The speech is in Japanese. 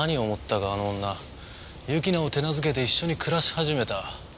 由樹奈を手なずけて一緒に暮らし始めた。